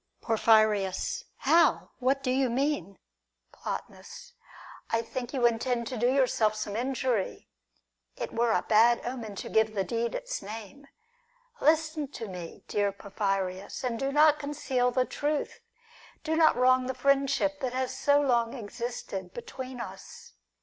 Porphyrius. How ! What do you mean ? Plotinus. I think you intend to do yourself some injury ; it were a bad omen to give the deed its name. Listen to me, dear Porphyrius, and do not conceal the truth. Do not wrong the friendship that has so long existed between us.